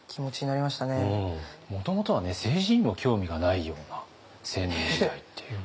もともとはね政治にも興味がないような青年時代っていう。